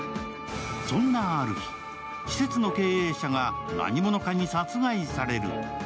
そんなある日、施設の経営者が何者かに殺害される。